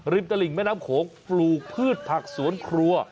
ตลิ่งแม่น้ำโขงปลูกพืชผักสวนครัว